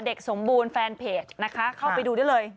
เด็กสมบูรณ์แฟนเพจนะคะเข้าไปดูได้เลย